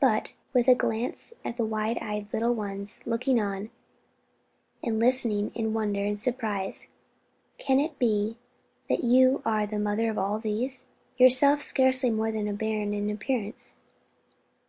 But," with a glance at the wide eyed little ones, looking on and listening in wonder and surprise, "can it be that you are the mother of all these? yourself scarce more than a bairn in appearance."